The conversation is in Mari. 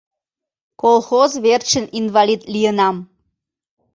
Колхоз верчын инвалид лийынам...